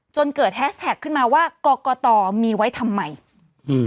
จนเกิดแฮสแท็กขึ้นมาว่ากรกตมีไว้ทำไมอืม